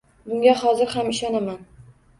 Bunga hozir ham ishonaman